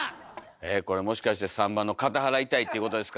えこれもしかして３番の片腹痛いっていうことですか？